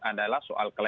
adalah soal kemampuan